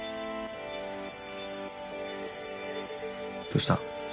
どうした？